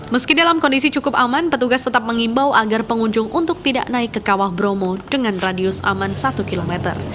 meski dalam kondisi cukup aman petugas tetap mengimbau agar pengunjung untuk tidak naik ke kawah bromo dengan radius aman satu km